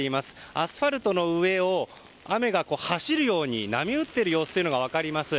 アスファルトの上を雨が走るように波打っている様子というのが分かります。